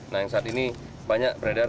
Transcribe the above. nah yang saat ini banyak beredar